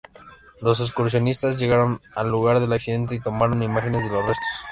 Los excursionistas llegaron al lugar del accidente y tomaron imágenes de los restos.